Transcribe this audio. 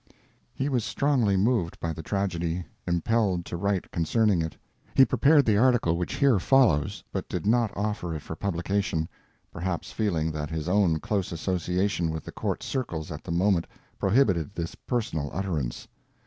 He was strongly moved by the tragedy, impelled to write concerning it. He prepared the article which here follows, but did not offer it for publication, perhaps feeling that his own close association with the court circles at the moment prohibited this personal utterance.